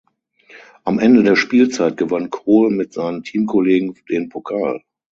Am Ende der Spielzeit gewann Kol mit seinen Teamkollegen den Pokal.